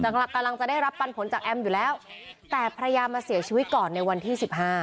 กำลังจะได้รับปันผลจากแอมอยู่แล้วแต่ภรรยามาเสียชีวิตก่อนในวันที่สิบห้า